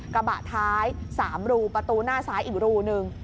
กระบะท้าย๓รูประตูหน้าซ้ายอีกรูนึง